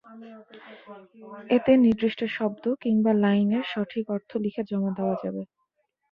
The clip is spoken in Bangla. এতে নির্দিষ্ট শব্দ কিংবা লাইনের সঠিক অর্থ লিখে জমা দেওয়া যাবে।